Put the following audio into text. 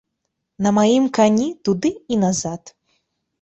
На маім кані, туды і назад.